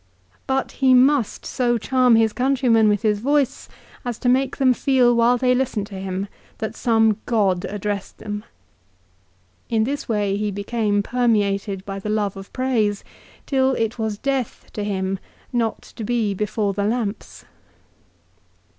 But he must so charm his countrymen with his voice as to make them feel while they listened to him that some god addressed them. In this way he became permeated by the love of praise, till it was death to him not to be before the lamps.